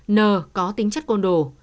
n có tính chất con đồ